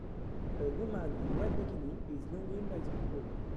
A woman in a red bikini is lounging by the pool.